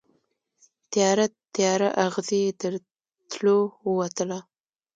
تیاره، تیاره اغزې یې تر تلو ووتله